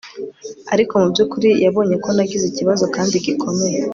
ariko mu byukuri yabonye ko nagize ikibazo kandi gikomeye